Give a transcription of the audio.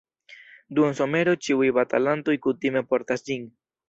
Dum somero ĉiuj batalantoj kutime portas ĝin.